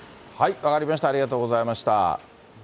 分かりました、ありがとうございました。